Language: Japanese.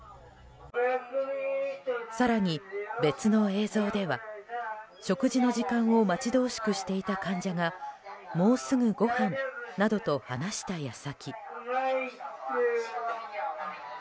更に別の映像では、食事の時間を待ち遠しくしていた患者がもうすぐごはんなどと話した矢先。